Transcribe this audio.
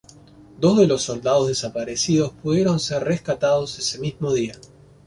Dos de los soldados desaparecidos pudieron ser rescatados ese mismo día.